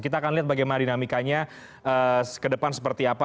kita akan lihat bagaimana dinamikanya kedepan seperti apa